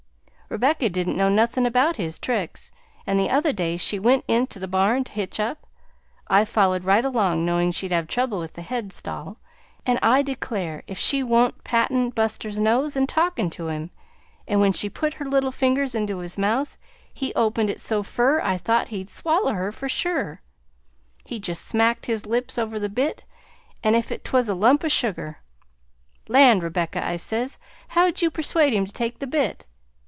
Rebecca didn't know nothin' about his tricks, and the other day she went int' the barn to hitch up. I followed right along, knowing she'd have trouble with the headstall, and I declare if she wan't pattin' Buster's nose and talkin' to him, and when she put her little fingers into his mouth he opened it so fur I thought he'd swaller her, for sure. He jest smacked his lips over the bit as if 't was a lump o' sugar. 'Land, Rebecca,' I says, 'how'd you persuade him to take the bit?'